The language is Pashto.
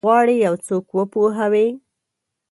غواړي یو څوک وپوهوي؟